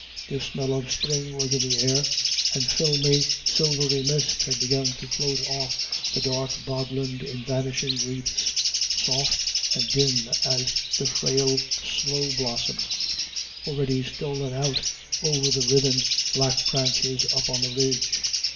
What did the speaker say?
The smell of spring was in the air, and filmy silvery mist had begun to float off the dark bogland in vanishing wreaths, soft and dim as the frail sloe blossom, already stolen out over the writhen black branches up on the ridge.